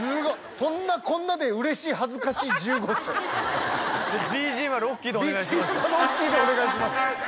「そんなこんなでうれしはずかし１５才」「ＢＧＭはロッキーでお願いします」